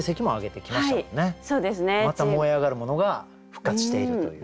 また燃え上がるものが復活しているという。